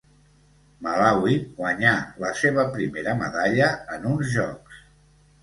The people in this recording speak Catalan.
Malawi guanyà la seva primera medalla en uns Jocs.